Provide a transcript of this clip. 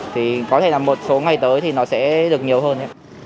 thì có thể là một số ngày tới thì nó sẽ được nhiều hơn